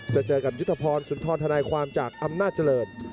จะเจอกับยุทธพรสุนทรธนายความจากอำนาจเจริญ